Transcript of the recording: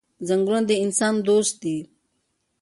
ځنګلونه د انسان دوست دي.